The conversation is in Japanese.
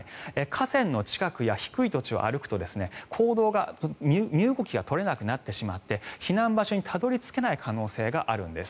河川の近くや低い土地を歩くと行動が身動きが取れなくなってしまって避難場所にたどり着けない可能性があるんです。